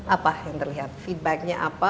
apa yang terlihat feedback nya apa